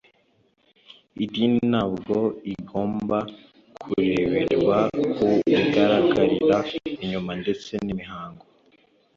Idini ntabwo igomba kureberwa ku bigaragarira inyuma ndetse n’imihango.